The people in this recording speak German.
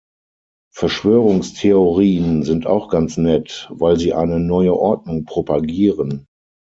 Verschwörungstheorien sind auch ganz nett, weil sie eine neue Ordnung propagieren.